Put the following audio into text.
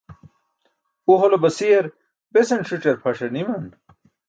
u hole basiyar besan ṣic̣ar phaṣar niman